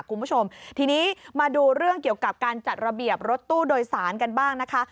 คุณผู้ชมทีนี้มาดูเรื่องเกี่ยวกับการจัดระเบียบรถตู้โดยสารกันบ้างนะคะ